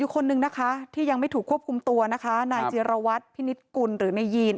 คนหนึ่งที่ยังไม่ถูกควบคุมตัวนายเจียรวรรดิพี่นิดกุลหรือนายยีน